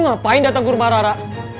lu ngapain datang ke rumah rara